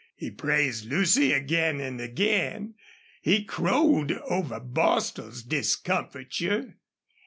He praised Lucy again and again. He crowed over Bostil's discomfiture.